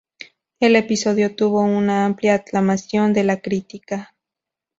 El episodio tuvo una amplia aclamación de la crítica.